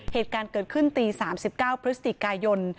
เหตุการณ์เกิดขึ้นตี๓๙พฤศจิกายน